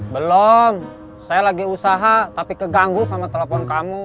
belum saya lagi usaha tapi keganggu sama telepon kamu